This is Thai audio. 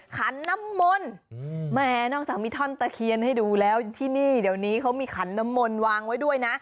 ขันน้ำมนต์แม่นอกจากมีท่อนตะเคียนให้ดูแล้วที่นี่เดี๋ยวนี้เขามีขันน้ำมนต์วางไว้ด้วยนะ